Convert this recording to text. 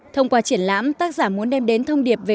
thông qua triển lãm tác giả muốn đem đến thông điệp về